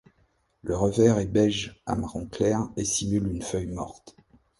Le revers est beige à marron clair et simule une feuille morte.